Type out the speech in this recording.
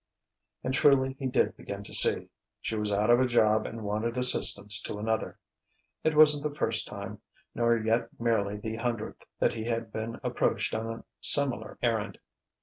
And truly he did begin to see: she was out of a job and wanted assistance to another. It wasn't the first time nor yet merely the hundredth that he had been approached on a similar errand.